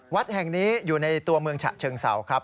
วัดแห่งนี้อยู่ในตัวเมืองฉะเชิงเศร้าครับ